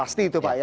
pasti itu pak ya